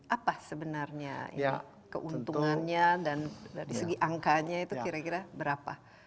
apa sebenarnya keuntungannya dan dari segi angkanya itu kira kira berapa